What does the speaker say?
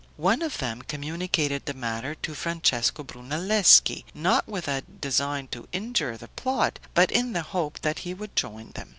One of them communicated the matter to Francesco Brunelleschi, not with a design to injure the plot, but in the hope that he would join them.